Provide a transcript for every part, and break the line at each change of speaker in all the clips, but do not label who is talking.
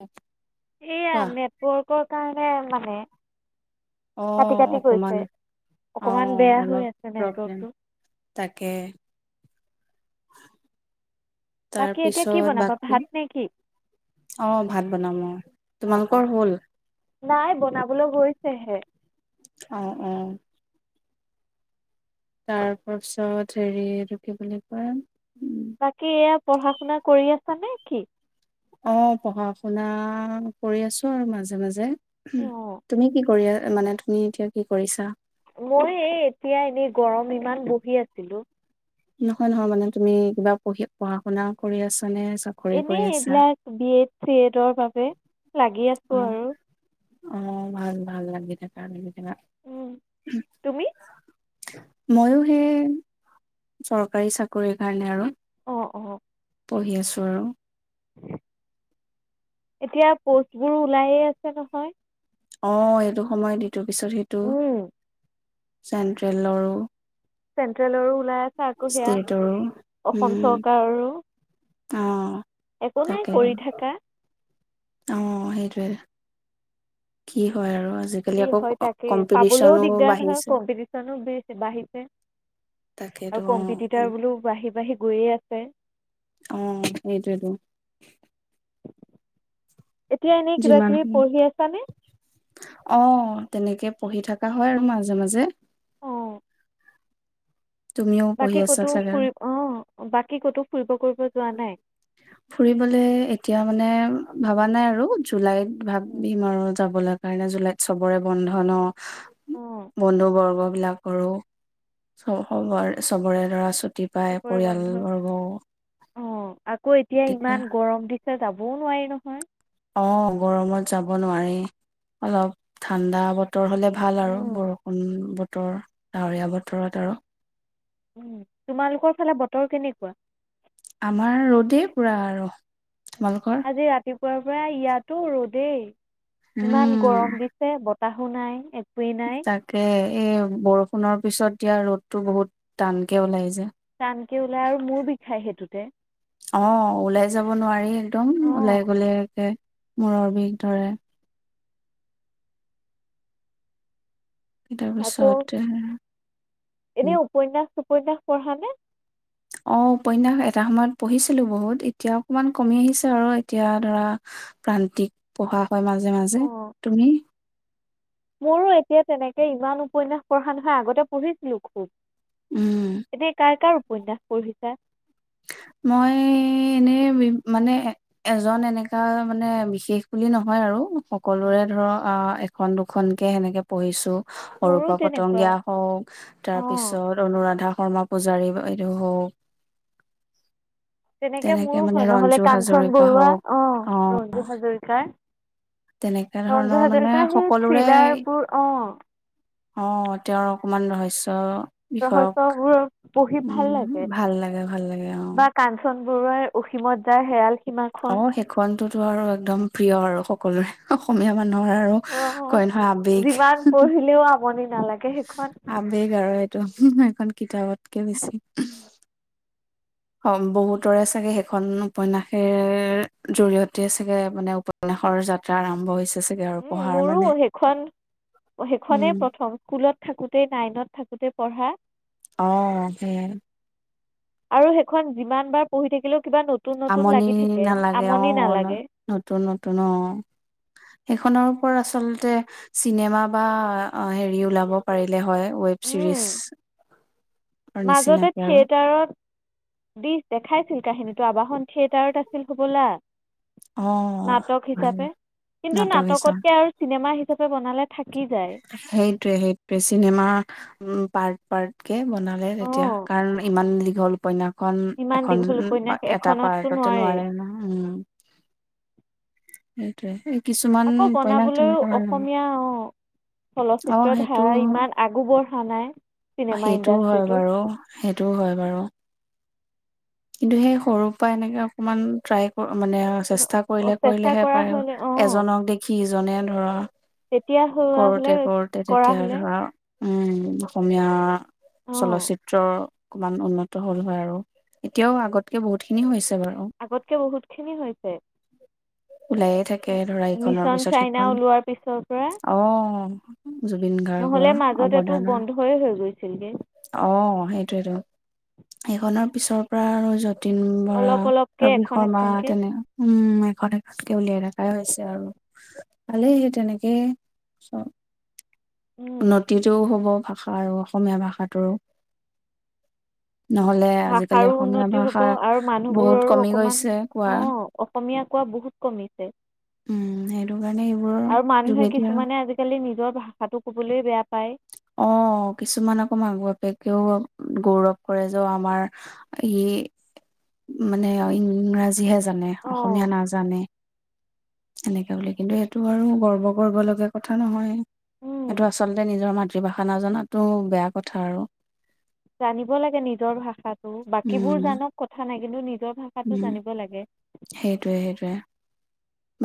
উ [inaudible]
সেয়া নেটৱৰ্কৰ ে মান [inaudible]
অ অকমান অ
অকণমান বেয়া হৈ
অলপ
আছে
প্ৰব্লেম
নেটৱৰ্কটো
তাকে
বাকী এতিয়া কি
তাৰপিছত
বনাবা
বাকী
ভাত নে কি
আহ ভাত বনাম অ
অঁ অঁ
তোমালোকৰ হল
নাই বনাবলৈ গৈছেহে
অ', অ', তাৰ পাছত হেৰি এইটো কি বুলি কয়। উম,
বাকী এয়া পঢ়া শুনা কৰি আছানে কি?
অ পঢ়া শুনা কৰি আছো আৰু মাজে মাজে
অঁ
তুমি কি কৰি মানে তুমি এতিয়া কি কৰিছা।
মই এই এতিয়া এনেই গৰম ইমান বহি আছিলো।
নহয়, নহয় মানে তুমি কিবা পঢ়ি -পঢ়া শুনা কৰি আছা। নে চাকৰি কৰি
এনেই
আছা
এইবিলাক বিয়েট চিয়েটৰ বাবে বে -লাগি
অ
আছো আৰু
অ', ভাল, ভাল লাগি থকা থকা
উম, তুমি
ময়ো সেই চৰকাৰী চাকৰিৰ কাৰণে আৰু
অ', অ',
পঢ়ি আছো আৰু
এতিয়া পষ্টবোৰো ওলায়ে আছে নহয়।
অ', এইটো সময় দি ইটোৰ পিছত সেইটো চেণ্ট্ৰেলৰো
চেন্ট্ৰেলৰো ওলাই আছে। আকৌ সেয়া অসম চৰকাৰৰো
উ'ম
একো নাই
তাকেইতো
কৰি থাকা।
অ', সেইটোৱে কি হয় আৰু আজিকালি
কি
আকৌ
হয় তাকেই পাবলৈও
কম্পিটিচনো
দিগদাৰ নহয়,
বাঢ়িছে
কম্পিটিচনো বাঢ়িছে
তাকেইতো
আৰু
অ',
কম্পিটিটাৰ বোও বাঢ়ি বাঢ়ি গৈয়ে আছে।
অ সেইটোইতো
এতিয়া এনেই কিবা
যিমান
কিবি
সময়
পঢ়ি আছানে।
অ', তেনেকে -পঢ়ি থকা হয় আৰু মাজে মাজে
[unintelligible]
তুমিও পঢ়ি
বাকী
আছা
কতো
চাগে আৰু
ফুৰিব অ', বাকী ক'তো ফুৰিব কৰিব যোৱা নাই।
ভবা নাই আৰু জুলাইত
উম,
ভাবিম আৰু যাব লাগে। [inaudible] জুলাইত চবৰে বন্ধন
অঁ
বন্ধু বৰ্গ বিলাকৰো সবৰে চবৰে লৰা ছোৱালি ৰা পাই
চবৰে বন্ধ
পৰিয়ালবৰ্গওঁ
অঁ আকৌ এতিয়া ইমান গৰম দিছে যাব যাবওঁ নোৱাৰি নহয়।
অ গৰমত যাব নোৱাৰি অলপ ঠাণ্ডা ব বতৰ হ'লে ভাল আৰু
উম
বৰষুণ বতৰ ডাৱৰীয়া বতৰত আৰু
উ তোমালোকৰ ফালে বতৰ কেনেকুৱা
আমাৰ ৰ'দেই পুৰা আৰু তোমালোকৰ
ক পৰা ইয়াতো ৰ'দেই ইমান
উম
গৰম দিছে বত চাহো নাই একোৱেই নাই
তাকে এই বৰষুণৰ পিছত দিয়া ৰ'দতটো বহুত টান কে ওলাই যায়
টানকে ওলাই আৰু মূৰ বিষ খাই সেইটোতে
অ ওলাই যাব নোৱাৰি একদম ওলাই
অ'
গলে একে মূৰৰ বিষ ধৰে তাৰ পিছত
এনে
উম
উপ ন সু উপন্যাস পঢ়া নে
অ উপন্যাস এটা সময়ত পঢ়িছিলো বহুত এতিয়া অকণমান কমি আহিছে আৰু এতিয়া ধৰা প্ৰান্তিক পঢ়া হয় মাজে মাজে
অ'
তুমি
মোৰো এতিয়া তেনেকে ইমান উপন্যাস পঢ়া নহয় আগতে পঢ়িছিলো খুব
উম,
এতিয়া কাৰ কাৰ উপন্যাস পঢ়িছা
মই এনেই মানে এজন এনেকা মানে বিশেষ বুলি নহয় আৰু
অ
সকলোৰে ধৰ অ এখন দুখন খনকে সেনেকৈ পঢ়িছোঁ
মোৰো
অৰূপা
তেনেকুৱা
পতংগীয়া হওক
অ'
তাৰপিছত অনুৰাধা শৰ্মা পূজাৰী বাইদেউ হওক
তেনেকে মোৰো
মানে
হয় নহলে
ৰঞ্জু
কাঞ্চন
হাজৰিকা
বৰুৱা
হওঁক
অ ৰঞ্জু হাজৰিকাৰ
তেনেকা
ৰঞ্জো
ধৰণৰ মানে
হাজৰকা সেই থ্ৰিলাৰ
সকলোৰে
বোৰ অ
অ তেওঁৰ অকমান ৰহস্য বিষয়ক
ৰহস্য বোৰ
উম ভাল লাগে ভাল লাগে আহ
বৰুৱাই অসীমত যাৰ হেৰাল সী
অ সেইখন টোতো আৰু একদম প্ৰিয় আৰু সকলোৰে অসমীয়া মানে ন আৰু
অ'
কয় নহয় আবেগ
যিমান [unintelligible] নালাগে সেইখন
আবেগ আৰু এখন কিতাপতকে বেছি অ বহুতৰে চাগে সেইখন উপন্যাসেৰে জৰিয়তে হে চাগে মানে উপনয়াসৰ যাত্ৰা আৰম্ভ হৈছে চাগে আৰু
উম
পঢ়াৰ
মোৰো
মানে
সেইখন অ
উম
সেইখনেই প্ৰথম স্কুলত থাকোতে নাইনত থাকোতে পঢ়া
অ সেইয়া
আৰু সেইখন যিমান বাৰ পঢ়ি থাকিলেও কিবা নতুন নতুন
আমনি
লাগি থাকে
নালাগে অ
আমনি নালাগে
নতুন নতুন অ সেইখনৰ ওপৰত আচলতে চিনেমা বা হেৰি ওলাব পাৰিলে হয় ৱেব ছিৰিজ
উম মাজতে
নিচিনাকে আৰু
থিয়েটাৰত দি দেখাইছিল কাহি হেনেটো আৱাসন থিয়েটাৰত আছিল হ'বলা নাটক
হয়,
হিচাপে কিন্তু
নাটক হিচাপ
নাটকতকে আৰু চিনেমা চুপি বনালে থাকে
সেইটোৱে সেইটোৱে চিনেমা ওম পাৰ্ট পাৰ্ট কে বনালে তেতিয়া
অঁ
কাৰণ ইমান দীঘল উপন্যাস এখন
ইমান
এখন
দীঘল উপন্যাস
এটা
এখনততো
পাৰ্টতে
নোৱাৰি
নোৱাৰে ন উম উট কিছুমান
আকৌ
উপনাস তেনেকৈ ভাল হ
চলচিত্ৰ ধাৰা ইমান আগুবৰ খ নাই চিনেমা
সেইটোও হয়
ইণ্ডাষ্ট্ৰীটো
বাৰু সেইটোও হয় বাৰু কিন্তু সেই সৰুৰ পৰা এনেকে অকমান ট্ৰাই মানে চেষ্টা কৰিলে
চেষ্টা
কৰিলেহে
কৰা
পাৰে
হ'লে অঁ
এজনক দেখি ইজনে ধৰা
তেতিয়া হোৱা হ'লে
কৰোতে কৰোতে
কৰা
তেতিয়া
হ'লে
ধৰা উম অসমীয়া
অঁ
চলচিত্ৰ অকমান উন্নত হল হয় আৰু এতিয়াও আগতকে বহুতখিনি হৈছে বাৰু।
আগতকে বহুত খিনি হৈছে
ওলায়ে থাকে ধৰা ইখনৰ
মিছন
পিছত
চাইনা
সিখন।
ওলোৱাৰ পিছৰ পৰা
অ' জুবিন গাৰ্গৰ
নহলে মাজত এইটো
অৱদানৰ
বন্ধয়ে হৈ গৈছে ছিলকে
অ সেইটোয়েইটো সেইখনৰ পিছৰ পৰা আৰু যত যতীন বৰা
অলপ অলপকৈ
ৰবি
এখন
শৰ্মা
এখনকৈ
তেনে উম এষত এষতকে উলিয়াই ৰা খাই হৈছে আৰু ভালেই সেই তেনেকেই চব উন্নতিতটোও হ'ব ভাব ভাষা আৰু অসমীয়া ভাষাটোৰো নহ'লে আজিকালি
ভাষাৰো
অসমীয়া
উন্নতি হব
ভাষা
আৰু
বহুত
মানুহবোৰৰো
কমি
অকমান
গৈছে কোৱা
অ অসমীয়া কোৱা বহুত কমিছে,
উম সেইটো কাৰণে এইবোৰৰ
আৰু মানুহে
যোগেদি আৰু
কিছুমানে আজিকালি নি নিজৰ ভাষাটো ক'বলৈ বেয়া পায়।
অ কিছুমান আকৌ মাক-বাপেকেও গৌৰৱ কৰে যে আমাৰ ই মানে ইংৰাজীহে জানে, অসমীয়া নাজানে এনেকে বুলি কিন্তু এইটো আৰু গৰ্ব কৰিব লগা কথা নহয়। এইেইটো
অঁ
আচলতে নিজৰ মাত মৃভাষা নাজাতো বেয়া কথা আৰু।
জানিব লাগে, নিজৰ ভাষাটো বাকীবোৰ
উম
জানক কথা নাই। কিন্তু নি নিজ ভাষাতটো জানিব লাগে।
সেইটোৱে-সেইটোৱে।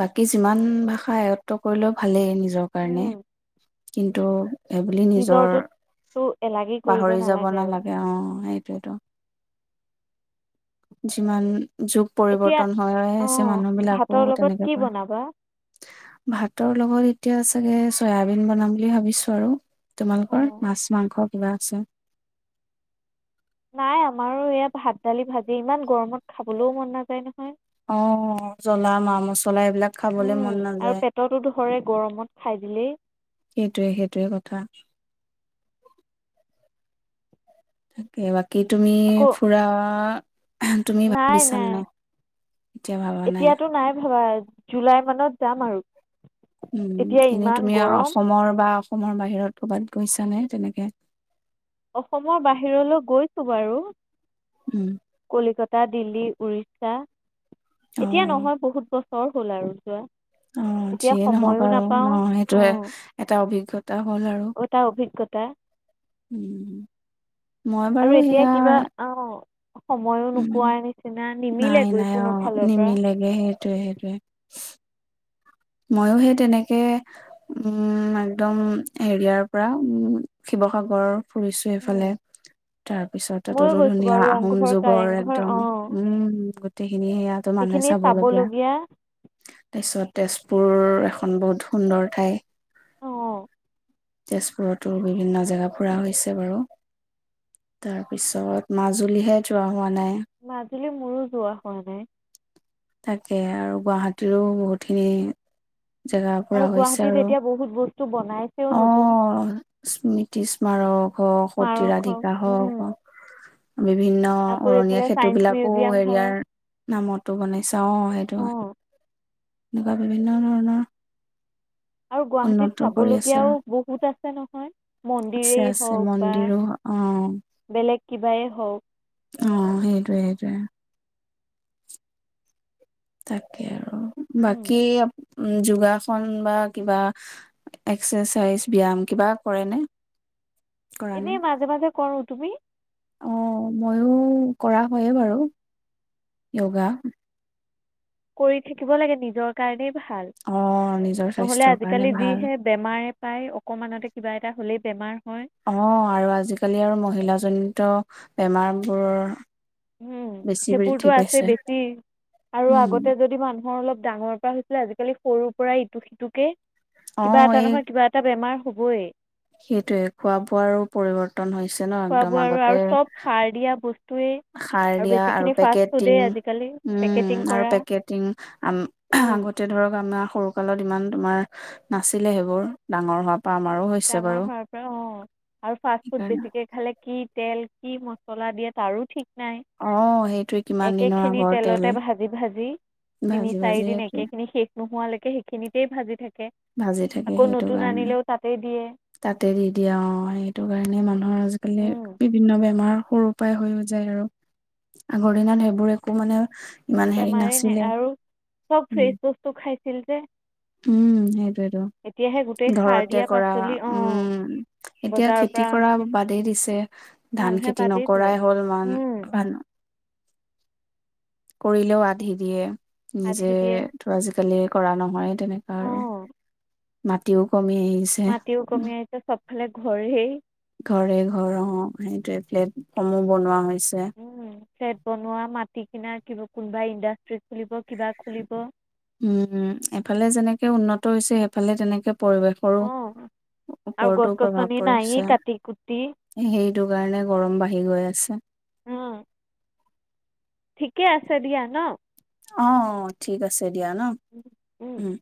বাকী যিমান ভাষা আয়ত্ব কৰিলেও ভালেই নিজ নিজৰ কাৰণে কিন্তু সেইবুলি নিজৰ
নিজৰটোততো এলাগী কৰিব
পাহৰি যাব
আৰু
নালাগে অ সেইটোৱোটো। যিমান যুগ
এতিয়া
পৰিবৰ্তন
অঁ
হৈছে মানুহ বিলাকো
ভাতৰ লগত
তেনেকে
কি
পাৰ
বনাবা
ভাতৰ লগত এতিয়া চাগে চয়াবিন বনাম বুলি ভাবিছো আৰু। তোমালোকৰ
অঁ
মাছ, মাংস কিবা আছে
নাই আমাৰো ইয় ভাত দালি ভাজি ইমান গৰমত খাবলৈও মন নাযায় নহয়।
অহ' জ্বলা মা মছলা এইবিলাক খাবলৈ
উম,
মন
আৰু
নাযায়
পেটতো ধৰে গৰমত খাই দিলেই
সেইটয়ে-সেইটয়ে কথা। থেকেৰা কি তুমি ফুৰা তুমি ভাবিছা
নাই-নাই
নাই এতিয়া ভাবা
এতিয়াতো নাই ভাবা। জুলাই মানত যাম আৰু।
উম'
এতিয়া
এনেই
ইমান
তুমি
গৰম
অসমৰ বা অসমৰ বাহিৰত কৰ'বাত গৈছ নে তেনেকে?
অসমৰ বাহিৰলৈ গৈছো বাৰু।
উম,
কলিকতা, টা, দিল্লী, উৰিষ্যা। এতিয়া
অ',
নহয় বহুত বস্তু সব হ'ল আৰু। যোৱা
অ'
এতিয়া
যিয়ে নহওক
সময়ো
আৰু ন
নাপাওঁ
সেইটো এটা অভিজ্ঞতা হ'ল আৰু
অ' তাৰ অভিগ কটা।
উম',
আৰু এতিয়া কিবা অ
উ নাই
নিমিলেগৈ
নাই অ
কোনো ফালৰ পৰা
নিমিলেগে সেইটোৱে সেইটোৱে ময়ো সেই তেনেকে উম একদম হেৰিয়াৰ পৰা উ শিৱসাগৰ ফুৰিছো এইফালে
উম
তাৰপিছত
ময়ো
তাততো
গৈছোঁ
ধুনীয়া
বাৰু
আহোম
ৰংঘৰ
যুগৰ
কাৰেংঘৰ
একদম
অঁ
উম গোটেইখিনি সেয়াাতো মানুহে
সেইখিনি
চাব লগগীয়া
চাবলগীয়া
তাৰপিছত তেজপুৰ এখন বহুত সুন্দৰ ঠাই
অঁ
তেজপুৰতো বিভিন্ন জেগা ফুৰা হৈছে বাৰু তাৰপিছত মাজুলীহে যোৱা হোৱা নাই
মাজুলি মোৰো যোৱা হোৱা নাই
তাকে আৰু গুৱাহাটীৰো বহুতখিনি জেগা ফুৰা
আৰু
হৈছে
গুৱাহাটীত
আৰু
এতিয়া বহুত বস্তু বনাইছেও
অ
নতুন
স্মৃতি্ম বাৰ হওক
স্মাৰক
অতৰাধিকা
উম
হওক বিভিন্ন
আকৌ
উৰণীয়া
এইফালে ছায়েঞ্চ
সেতুবিলাকো
মিউজিয়াম হওক
হেৰিয়াৰ নামতো বনাইছা অ সেইটো হয়
অঁ
এনেকুৱা বিভিন্ন ধৰণৰ
আৰু গুৱাহাটীত
উন্নত কৰি আছে আৰু
চাবলগীয়াও বহুত আছে নহয়
আছে
মন্দিৰেই
আছে
হওক বা
মন্দিৰো অ
বেলেগ কিবাই হওক
অ সেইটোয়ে সেইটোয়ে তাকে আৰু
উম,
বাকী [unintelligible]
[unintelligible]
অ মইয়ো কৰা হয়ে বাৰু যোগা
কৰি থাকিব লাগে নিজৰ কাৰণে ভাল
অ' নিজৰ
নহলে
স্বাস্থ্যৰ কাৰণে
আজিকালি
ভাল।
যিহে বেমাৰে পায় অকমানতে কিবা এটা হ'লেই বেমাৰ হয়
অ আৰু আজিকালি আৰু মহিলাজনিত বেমাৰ বোৰৰ
উম সেইবোৰতো আছে বেছি আৰু
উম।
আগতে যদি মানুহৰ অলপ ডাঙৰ পৰা হৈছিলে আজিকালি সৰুৰ পৰা ইটো সিটোকে কিবা
অ'
এটা
এই
নহয় কিবা এটা বেমাৰ হ'বই
সেইটোয়ে খোৱা বোৱাৰো পৰিৱৰ্তন হৈছে ন একদম
খোৱা-বোৱা আৰু
আগতে
আৰু চব সাৰ দিয়া বস্তু
সাৰ দিয়া আৰু পেকেটিং
আজিকালি পেকেটিং
উম আৰু
কৰা
পেকেটিং
উম,
আগতে ধৰক আমাৰ সৰুকালত ইমান তোমাৰ নাছিলে সেইবোৰ ডাঙৰ হোৱা
ডাঙৰ হোৱাৰ পৰা অ', আৰু ফাষ্ট ফুড
সেইকাৰণে
বেছিকে খালে কি তেল কি মছলা দিয়ে তাৰো ঠিক নাই,
অ সেইটোৱে কিমান
একে
দিনৰ
খিনি
আগৰ তেল
তেলতে ভাজি ভাজি
ভাজি
তিনি
ভাজি
চাৰি দিন
সেইটোৱে
একে খিনি শেষ নোহোৱালৈকে সেইখিনিতেই ভাজি থাক
ভাজি থাকে সেইটো কাৰণে।
তাতেই দিয়ে
তাতে দি দিয়ে অ', সেইটো কাৰণে মানুহৰ আজিকালি
উম
বিভিন্ন বেম বেমাৰ সৰু পৰাাই হৈ যায় আৰু, আগৰ দিনত সেইবোৰ একো মানে ইমান হেৰি
বেমাৰে নাই
নাছিলে
আৰু চব
উম
ফ্ৰেচ বস্তু খাইছিল যে
উম
এতিয়াহে গোটেই সাৰ
ঘৰতে
দিয়া
কৰা,
পাচলি অঁ
উম এতিয়া
বজাৰৰ
খেতি
পৰা অনা
কৰা বাদেই দিছে, ধান
মানুহে
খেতি
বাদেই দিলে
নকৰাই হ'ল।
উম
[unintelligible] কৰিলেও আধি দিয়ে
আধি দিয়ে
[unintelligible] আজিকালি কৰা নহয় তেনেকুৱা আৰু।
অঁ
মাটিও কম মি আহিছে
ফালে ঘৰেই
ঘৰে ঘৰ অ', ‌ সেইটোয়ে ফ্লেট সমূহ বনোৱা হৈ
উম, ফ্লেট বনোৱা, মাটি কিনাৰ কিবা কোনোবাই ইণ্ডাষ্ট্ৰি খুলিব, কিবা খুলিব
উম, এফালে যেনেকে উন্নত হৈছে, সেফালে তেনেকে পৰিৱেশৰো
অঁ আৰু
ওপৰতো
গছ
প্ৰভাৱ
গছনি নায়েই
পৰিছে
কাটি কুটি
সেইটো কাৰণে গৰম বাঢ়ি গৈ আছে।
অ', ঠিকে আছে দিয়া ন?
অ', অ', ঠিক আছ তেতিয়া ন উম।